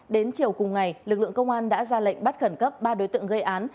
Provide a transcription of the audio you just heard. đến chiều cùng ngày lực lượng công an đã ra lệnh bắt khẩn cấp ba đối tượng gây án